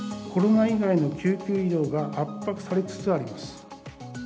コロナ以外の救急医療が圧迫されつつあります。